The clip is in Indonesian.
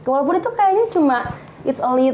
walaupun itu kayaknya cuma it s a little